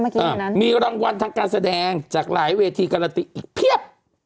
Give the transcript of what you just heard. เมื่อกี้เหมือนนั้นอ่ามีรางวัลทางการแสดงจากหลายเวทีการันตีอีกเพียบ